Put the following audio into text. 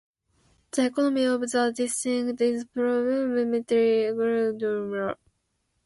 The economy of the district is predominantly agricultural.